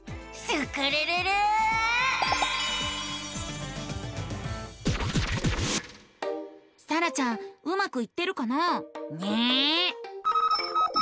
さらちゃんうまくいってるかな？ね。